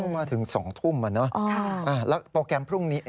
มาถึง๒ทุ่มแล้วโปรแกรมพรุ่งนี้